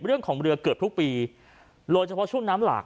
เรื่องของเรือเกือบทุกปีโดยเฉพาะช่วงน้ำหลาก